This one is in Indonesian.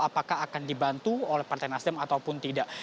apakah akan dibantu oleh partai nasdem ataupun tidak